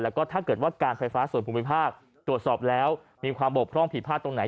แล้วก็ถ้าเกิดว่าการไฟฟ้าส่วนภูมิภาคตรวจสอบแล้วมีความบกพร่องผิดพลาดตรงไหน